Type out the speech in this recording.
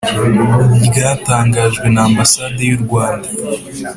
ryatangajwe na ambasade y'u rwanda: